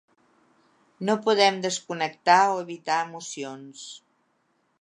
No podem desconnectar o evitar emocions.